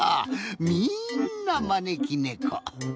みんなまねき猫。